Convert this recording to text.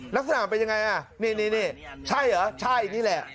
นักสนามเป็นยังไงนี่ใช่เหรอใช่นี่แหละ